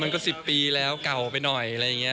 ก็๑๐ปีแล้วเก่าไปหน่อยอะไรอย่างนี้